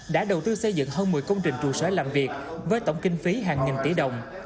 đã đầu tư xây dựng hơn một mươi công trình trụ sở làm việc với tổng kinh phí hàng nghìn tỷ đồng